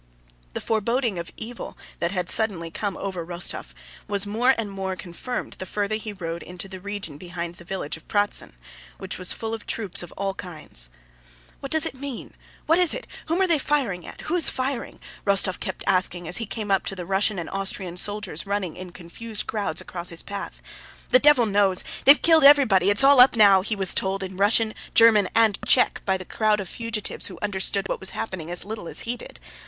The foreboding of evil that had suddenly come over Rostóv was more and more confirmed the farther he rode into the region behind the village of Pratzen, which was full of troops of all kinds. "What does it mean? What is it? Whom are they firing at? Who is firing?" Rostóv kept asking as he came up to Russian and Austrian soldiers running in confused crowds across his path. "The devil knows! They've killed everybody! It's all up now!" he was told in Russian, German, and Czech by the crowd of fugitives who understood what was happening as little as he did.